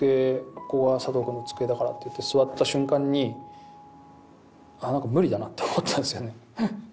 「ここが佐藤くんの机だから」って座った瞬間にあなんか無理だなと思ったんですよね。